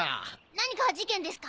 何か事件ですか？